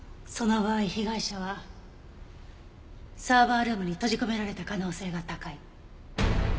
その場合被害者はサーバールームに閉じ込められた可能性が高い。